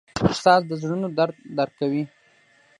استاد د زړونو درد درک کوي.